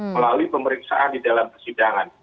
melalui pemeriksaan di dalam persidangan